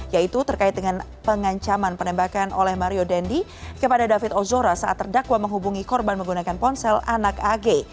yaitu terkait dengan pengancaman penembakan oleh mario dendi kepada david ozora saat terdakwa menghubungi korban menggunakan ponsel anak ag